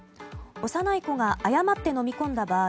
幼い子が誤って飲み込んだ場合